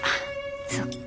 そっか。